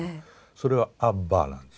それは「アッバ」なんです。